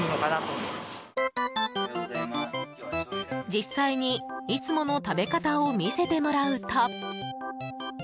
実際にいつもの食べ方を見せてもらうと。